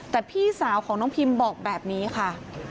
แต่พี่สาวของน้องพิมบอกแบบนี้ค่ะ